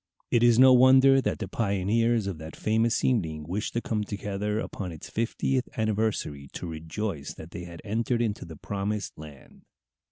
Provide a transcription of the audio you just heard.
It is no wonder that the pioneers of that famous evening wished to come together upon its fiftieth anniversary to rejoice that they had entered into the promised land.